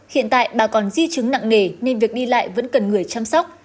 hiện tại bà còn di chứng nặng nề nên việc đi lại vẫn cần người chăm sóc